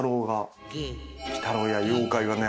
鬼太郎や妖怪がね。